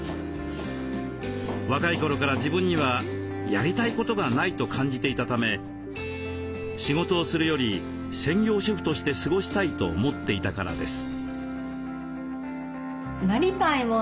若い頃から自分には「やりたいことがない」と感じていたため仕事をするより専業主婦として過ごしたいと思っていたからです。